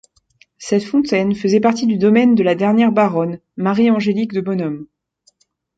Cette fontaine faisait partie du domaine de la dernière baronne Marie-Angélique de Bonhomme.